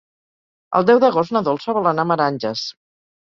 El deu d'agost na Dolça vol anar a Meranges.